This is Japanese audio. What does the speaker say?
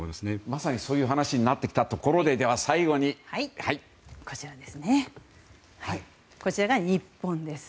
まさにそういう話になってきたところで最後にこちらです。